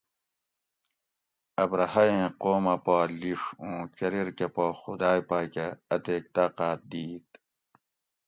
ابرھہ ایں قومہ پا لِیڛ اُوں چریر کہ پا خدائے پاۤکہ اتیک طاۤقاۤت دِیت